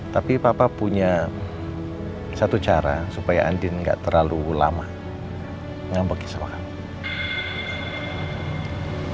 tapi papa punya satu cara supaya andi enggak terlalu lama ngambek sama kamu